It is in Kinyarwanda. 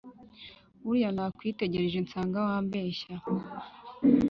Buriya nakwitegereje nsanga wambeshyaga